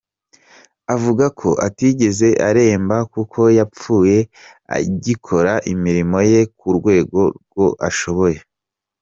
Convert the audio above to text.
Avuga ko atigeze aremba kuko yapfuye agikora imirimo ye ku rwego rw’iyo ashoboye.